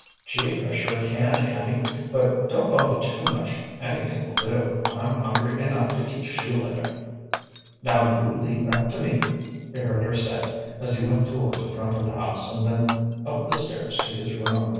"Gee, I sure can, Annie. But don't bother too much. Anything will do. I'm hungry enough to eat shoe leather!" "Now you leave that to me," he heard her say as he went toward the front of the house and then up the stairs to his room.